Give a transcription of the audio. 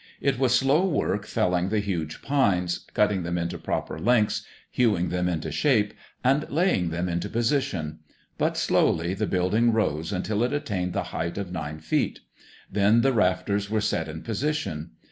It was slow work felling the huge pines, cutting them into proper lengths, hewing them into shape, and laying them into position; but slowly the building rose until it attained the height of nine feet. Then the rafters were set in position.